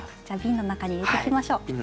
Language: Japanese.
じゃあびんの中に入れていきましょう。